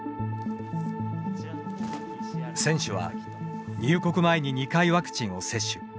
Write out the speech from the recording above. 選手は入国前に２回ワクチンを接種。